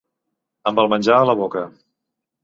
Amb el menjar a la boca.